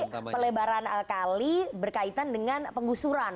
berarti pelebaran kali berkaitan dengan pengusuran